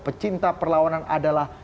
pecinta perlawanan adalah